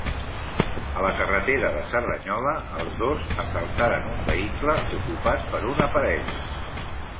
En la carretera de Cerdanyola, els dos assaltaren un vehicle ocupat per una parella.